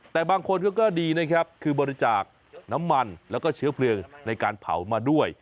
แต่บางคนเขาก็ดีนะครับคือบริจาคน้ำมันแล้วก็เชื้อเพลิงในการเผามาด้วย